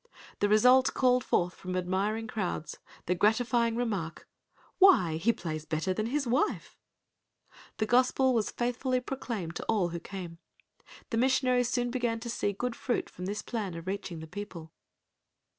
The result called forth from admiring crowds the gratifying remark, "Why he plays better than his wife!" The Gospel was faithfully proclaimed to all who came. The missionaries soon began to see good fruit from this plan of reaching the people.